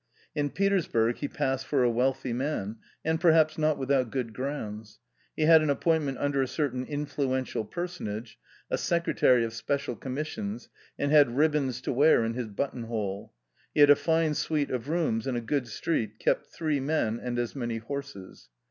In Petersburg he passed for a wealthy man, and perhaps not without good grounds ; he had an appointment under a certain influential personage, a secretary of special com missions, and had ribbons to wear in his buttonhole ; he had a fine suite of rooms in a good street, kept three men and as many horses.